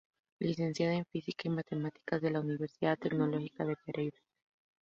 Licenciada en física y matemáticas de la Universidad Tecnológica de Pereira.